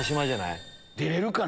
出れるかな？